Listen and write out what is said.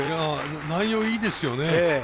内容いいですよね。